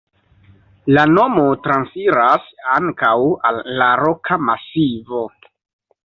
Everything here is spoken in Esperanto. La nomo transiras ankaŭ al la roka masivo.